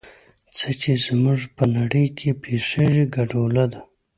څه چې زموږ په نړۍ کې پېښېږي ګډوله ده.